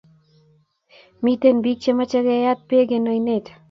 Miten pik che mache keyat peek en oinet